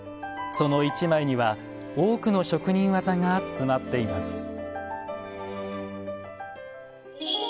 その一枚には多くの職人技が詰まっています。